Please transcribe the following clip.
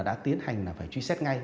đã tiến hành là vậy